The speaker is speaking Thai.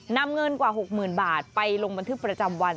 นำเงินกว่า๖๐๐๐บาทไปลงบันทึกประจำวัน